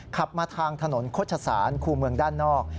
ขับมาทางถนนโฆษศาลคู่เมืองด้านนอก